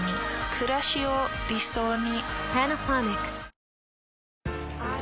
くらしを理想に。